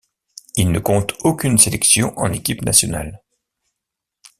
Il ne compte aucune sélection en équipe nationale.